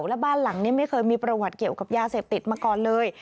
และบ้านหลังนี้ไม่เคยมีประวัติเกี่ยวกับยาเสพติดมาก่อนเลย